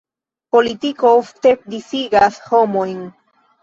Politiko ofte disigas homojn.